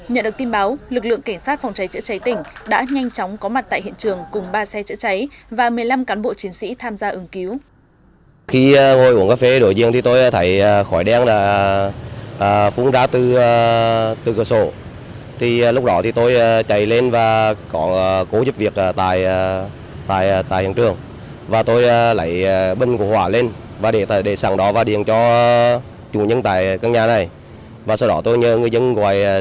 nhận được tin báo lực lượng cảnh sát phòng cháy chữa cháy tỉnh đã nhanh chóng có mặt tại hiện trường cùng ba xe chữa cháy và một mươi năm cán bộ chiến sĩ tham gia ứng cứu